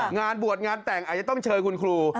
งานบวชงานแต่งอาจจะต้องเชิญคุณครู